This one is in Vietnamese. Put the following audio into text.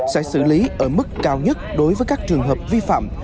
sẽ xử lý ở mức cao nhất đối với các trường hợp vi phạm